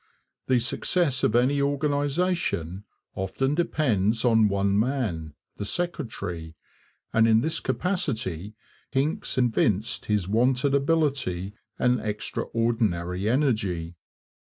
The success of any organization often depends on one man, the secretary, and in this capacity Hincks evinced his wonted ability and extraordinary energy.